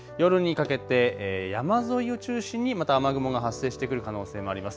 夜にかけて山沿いを中心にまた雨雲が発生してくる可能性もあります。